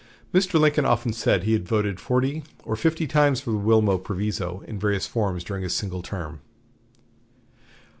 Mr. Lincoln often said he had voted forty or fifty times for the Wilmot Proviso in various forms during his single term.